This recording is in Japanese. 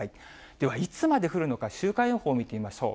では、いつまで降るのか、週間予報を見てみましょう。